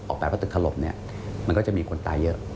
ออกแบบว่าตึกขลบมันก็จะมีคนตายเยอะ